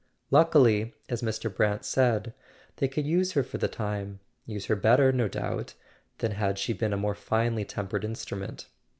Luckily, as Mr. Brant said, they could use her for the time; use her better, no doubt, than had she been a more finely tempered instrument.